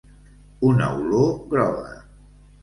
Una olor groga.